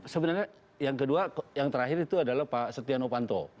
sebenarnya yang kedua yang terakhir itu adalah pak setia novanto